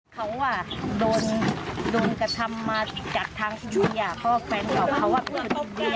เขาอ่ะโดนกระทำมาจากทางอินเบียเพื่อแฟนกับเขาอ่ะคุณอินเบีย